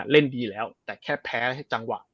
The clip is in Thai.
เล่นดีแล้วแต่แค่แพ้จังหวะ